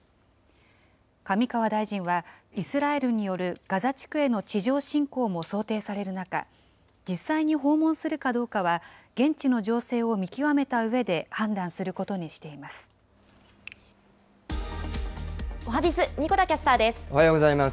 上川大臣は、イスラエルによるガザ地区への地上侵攻も想定される中、実際に訪問するかどうかは、現地の情勢を見極めたうえで判断するおはＢｉｚ、おはようございます。